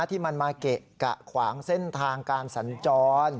ที่มันมาเกะกะขวางเส้นทางการสัญจร